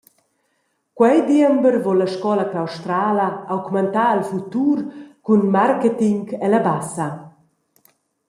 Quei diember vul la scola claustrala augmentar el futur cun marketing ella Bassa.